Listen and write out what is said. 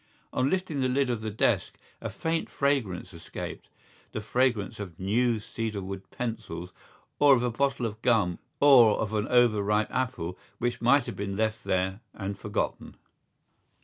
On lifting the lid of the desk a faint fragrance escaped—the fragrance of new cedarwood pencils or of a bottle of gum or of an overripe apple which might have been left there and forgotten.